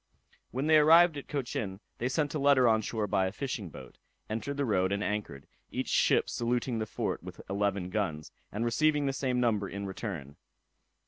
When they arrived at Cochin, they sent a letter on shore by a fishing boat, entered the road, and anchored, each ship saluting the fort with eleven guns, and receiving the same number in return.